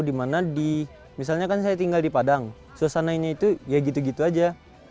dimana di misalnya kan saya tinggal di padang suasananya itu ya gitu gitu aja